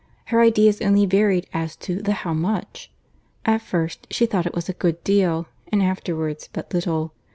Her ideas only varied as to the how much. At first, she thought it was a good deal; and afterwards, but little.